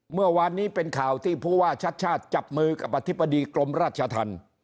เมื่อวานนี้เป็นข่าวที่ผู้ว่าชัดชาติจับมือกับอธิบดีกรมราชธรรม